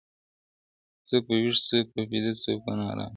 څوك به ويښ څوك به بيده څوك نا آرام وو-